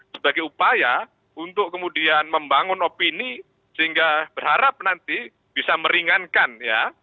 sebagai upaya untuk kemudian membangun opini sehingga berharap nanti bisa meringankan ya